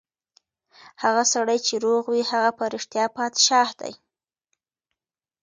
هغه سړی چې روغ وي، هغه په رښتیا پادشاه دی.